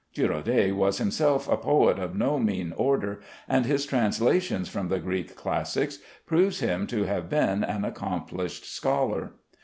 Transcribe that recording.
Girodet was himself a poet of no mean order, and his translations from the Greek classics proves him to have been an accomplished scholar.